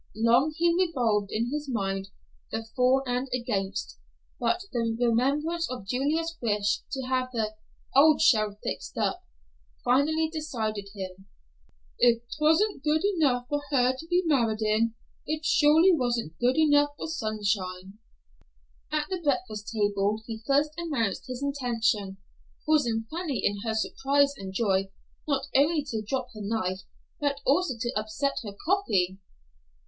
Long he revolved in his mind the for and against, but the remembrance of Julia's wish to have the "old shell fixed up," finally decided him. "If 'twasn't good enough for her to be married in, it surely wasn't good enough for Sunshine." At the breakfast table he first announced his intention, causing Fanny in her surprise and joy not only to drop her knife, but also to upset her coffee.